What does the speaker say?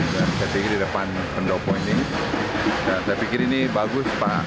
saya pikir di depan pendopo ini saya pikir ini bagus pak